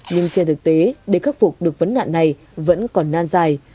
nhưng trên thực tế để khắc phục được vấn nạn này vẫn còn nan dài